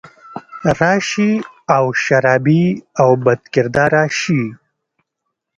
راشي او شرابي او بدکرداره شي